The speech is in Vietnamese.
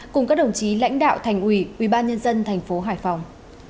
cùng các đồng chí lãnh đạo thành ủy ubnd tp hải phòng